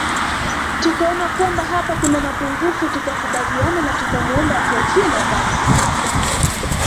Tukaona kwamba hapa kuna mapungufu tukakubaliana na tukamwomba atuachie nafasi